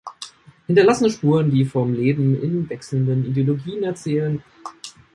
Hinterlassene Spuren, die vom Leben in wechselnden Ideologien erzählen.